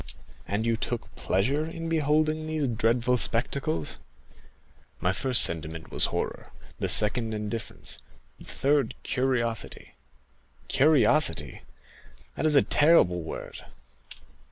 "And you took pleasure in beholding these dreadful spectacles?" "My first sentiment was horror, the second indifference, the third curiosity." "Curiosity—that is a terrible word."